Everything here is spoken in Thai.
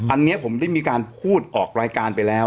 อันนี้ผมได้มีการพูดออกรายการไปแล้ว